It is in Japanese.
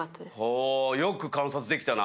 ほうよく観察できたな